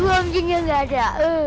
uang juga gak ada